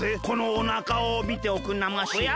このおなかをみておくんなまし。